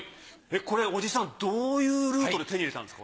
これ伯父さんどういうルートで手に入れたんですか？